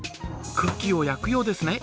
クッキーを焼くようですね。